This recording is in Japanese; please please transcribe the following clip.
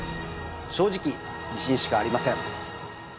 正直自信しかありません